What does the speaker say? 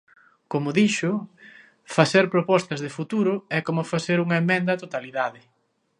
Como dixo, facer propostas de futuro é como facer unha emenda á totalidade.